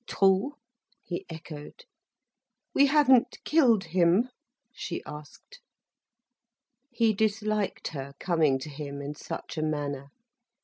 "True?" he echoed. "We haven't killed him?" she asked. He disliked her coming to him in such a manner.